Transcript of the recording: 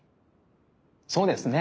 そうですね。